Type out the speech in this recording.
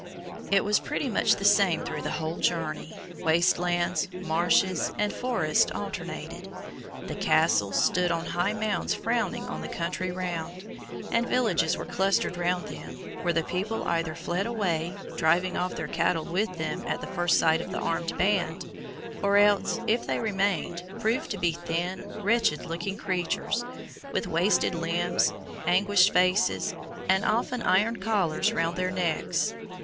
It was pretty much the same through the whole journey, waste lands, marshes, and forests alternated. The Castles stood on high mounds frowning on the country round, and villages were clustered round them, where the people either fled away, driving off their cattle with them at the first sight of an armed band, or else, if they remained, proved to be thin, wretched looking creatures, with wasted limbs, aguish faces, and often iron collars round their necks.